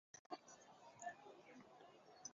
后来这被视为是辉格史的一个例子。